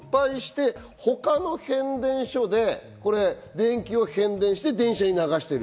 他の変電所で電気を変電して電車に流している。